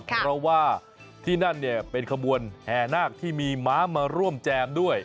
เพราะว่าที่นั่นเนี่ยเป็นขบวนแห่นาคที่มีม้ามาร่วมแจมด้วย